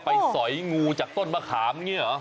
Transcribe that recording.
สอยงูจากต้นมะขามอย่างนี้เหรอ